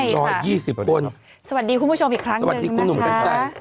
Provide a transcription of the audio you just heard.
ใช่ค่ะสวัสดีครับสวัสดีคุณผู้ชมอีกครั้งหนึ่งนะคะสวัสดีคุณหนุ่มกันใจ